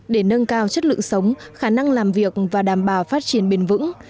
để nâng cao chất lượng sống khả năng làm việc và đảm bảo phát triển bền vững